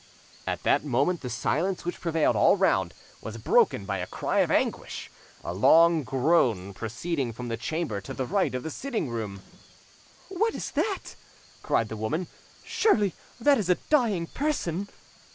At that moment the silence which prevailed all round was broken by a cry of anguish, a long groan proceeding from the chamber to the right of the sitting room. "What is that?" cried the woman. "Surely it is a dying person!"